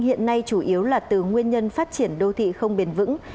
hiện nay chủ yếu là từ nguyên nhân phát triển đô thị không bền vững